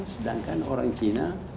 sedangkan orang cina